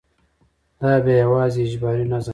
دا بیا یوازې اجباري نظم دی.